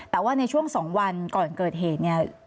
แต่ว่าในช่วง๒วันก่อนเกิดเหตุเนี่ย